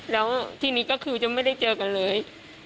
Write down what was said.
แล้วทีนี้ก็คือจะไม่ได้เจอกันเลย